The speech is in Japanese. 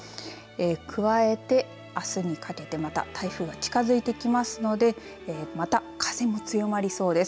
加えてあすにかけてまた台風が近づいてきますのでまた風も強まりそうです。